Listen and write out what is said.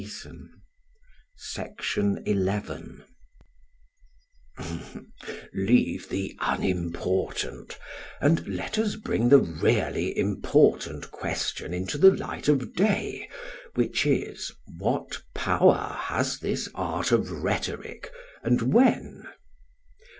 SOCRATES: Leave the unimportant and let us bring the really important question into the light of day, which is: What power has this art of rhetoric, and when?